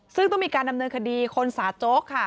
ซึ่งต้องมีการดำเนินคดีคนสาโจ๊กค่ะ